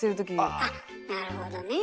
あっなるほどねえ。